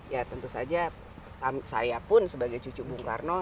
ya tentu saja saya pun sebagai cucu bung karno